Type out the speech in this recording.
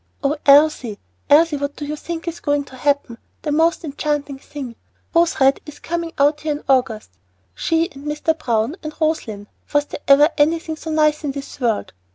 "Oh, Elsie, Elsie, what do you think is going to happen? The most enchanting thing! Rose Red is coming out here in August! She and Mr. Browne and Röslein! Was there ever anything so nice in this world!